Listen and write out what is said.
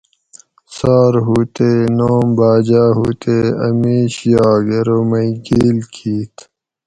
ساۤر ھو تے نوم باۤجاۤ ھو تے اۤ میش یاگ ارو مئ گیل کیت